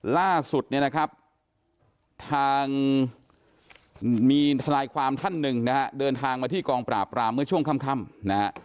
ล่าสุดเนี่ยนะครับทางมีทนายความท่านหนึ่งนะฮะเดินทางมาที่กองปราบรามเมื่อช่วงค่ำนะฮะ